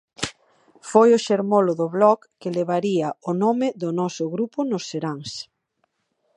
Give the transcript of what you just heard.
Foi o xermolo do blog que levaría o nome do noso grupo nos seráns.